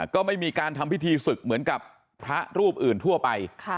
ก็ไม่มีการทำพิธีศึกเหมือนกับพระรูปอื่นทั่วไป